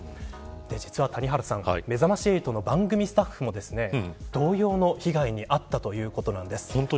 実はめざまし８の番組スタッフも同様の被害に遭ったということです。